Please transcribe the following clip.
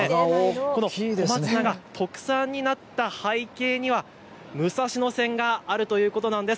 この小松菜が特産になった背景には武蔵野線があるということなんです。